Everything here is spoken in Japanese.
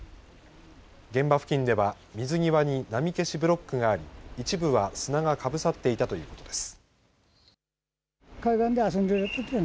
現場付近では水際に波消しブロックがあり一部は砂がかぶさっていたということです。